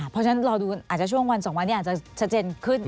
เพราะฉะนั้นรอดูอาจจะช่วงวัน๒วันนี้อาจจะชัดเจนขึ้น